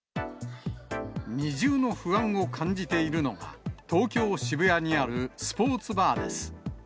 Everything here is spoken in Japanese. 二重の不安を感じているのが、東京・渋谷にあるスポーツバーです。